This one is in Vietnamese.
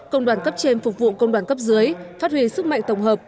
công đoàn cấp trên phục vụ công đoàn cấp dưới phát huy sức mạnh tổng hợp